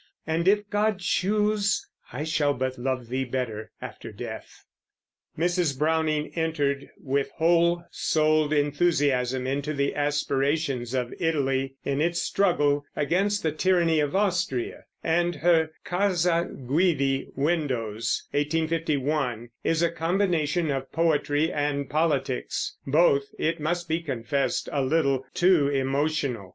and, if God choose, I shall but love thee better after death. Mrs. Browning entered with whole souled enthusiasm into the aspirations of Italy in its struggle against the tyranny of Austria; and her Casa Guidi Windows (1851) is a combination of poetry and politics, both, it must be confessed, a little too emotional.